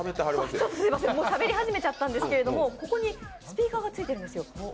もうしゃべり始めちゃったんですけど、ここにスピーカーがついてるんですよ。